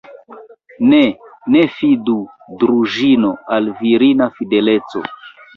Ne, ne fidu, Druĵino, al virina fideleco!